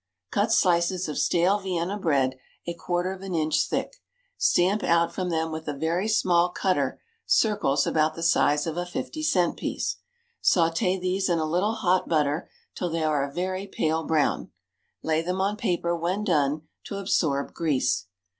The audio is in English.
Cut slices of stale Vienna bread a quarter of an inch thick, stamp out from them with a very small cutter circles about the size of a fifty cent piece. Sauté these in a little hot butter till they are a very pale brown. Lay them on paper when done, to absorb grease.